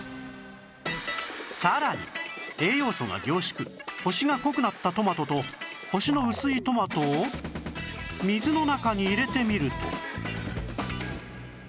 さらに栄養素が凝縮星が濃くなったトマトと星の薄いトマトを水の中に入れてみると